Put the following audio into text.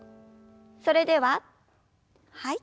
それでははい。